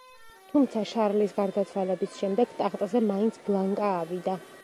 თუმცა შარლის გარდაცვალების შემდეგ ტახტზე მაინც ბლანკა ავიდა.